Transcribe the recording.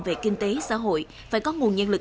về kinh tế xã hội phải có nguồn nhân lực